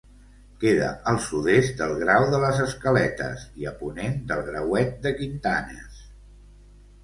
Queda al sud-est del Grau de les Escaletes i a ponent del Grauet de Quintanes.